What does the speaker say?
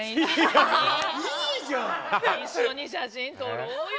一緒に写真撮ろうよ。